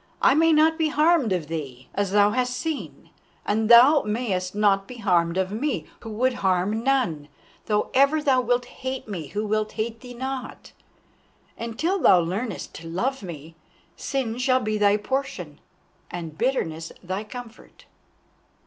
I may not be harmed of thee, as thou hast seen, and thou mayest not be harmed of me, who would harm none, though ever thou wilt hate me who hate thee not, and till thou learnest to love me, Sin shall be thy portion and Bitterness thy comfort."